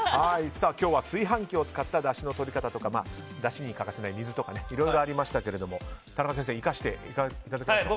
今日は炊飯器を使っただしのとり方とかだしに欠かせない水とかいろいろありましたけど田中先生生かしていただけますか。